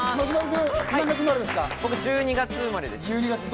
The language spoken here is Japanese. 僕１２月生まれです。